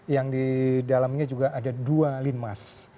yang di dalamnya juga ada dua linmas